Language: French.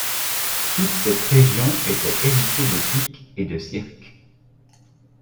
Toute cette région était hérissée de pics et de cirques.